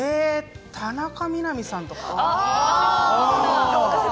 田中みな実さんとか？